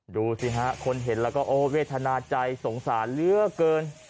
ดูสิฮะคนเห็นแล้วก็โอ้เวทนาใจสงสารเหลือเกิน